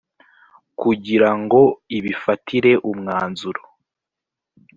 kugira ngo ibifatire umwanzuro